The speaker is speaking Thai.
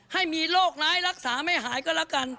ให้มีโรคร้ายรักษาไม่หายก็แล้วกัน